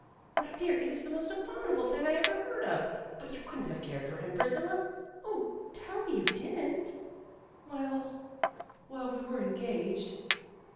"My dear, it is the most abominable thing I ever heard of, but you couldn't have cared for him, Priscilla. Oh, tell me you didn't." "We well, we were engaged."